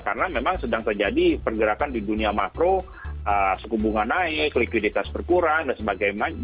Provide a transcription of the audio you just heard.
karena memang sedang terjadi pergerakan di dunia makro sekumbungan naik likuiditas berkurang dan sebagainya